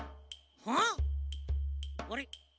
あれ？